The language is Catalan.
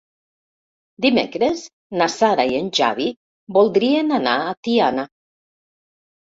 Dimecres na Sara i en Xavi voldrien anar a Tiana.